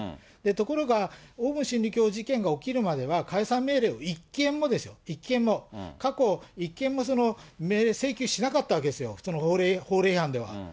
ところが、オウム真理教事件が起きるまでは、解散命令を、１件も、１件も過去、１件も命令請求しなかったわけですよ、その法令違反では。